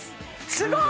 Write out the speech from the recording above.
すごい！